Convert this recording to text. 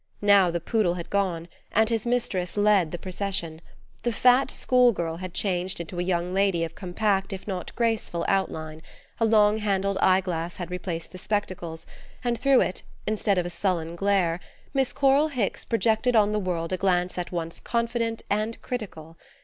Now the poodle had gone, and his mistress led the procession. The fat school girl had changed into a young lady of compact if not graceful outline; a long handled eyeglass had replaced the spectacles, and through it, instead of a sullen glare, Miss Coral Hicks projected on the world a glance at once confident and critical.